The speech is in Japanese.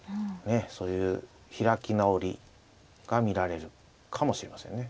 そういう開き直りが見られるかもしれませんね。